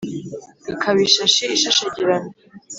Ikaba ishashi ishashagirana